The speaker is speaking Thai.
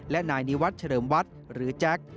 และนายนิวัตรเฉลิมวัดหรือแจ็ค